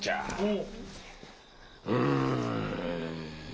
うん。